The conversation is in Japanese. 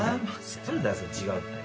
違う？